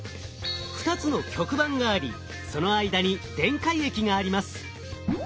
２つの極板がありその間に電解液があります。